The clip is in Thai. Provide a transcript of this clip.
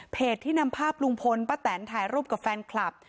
ที่นำภาพลุงพลป้าแตนถ่ายรูปกับแฟนคลับ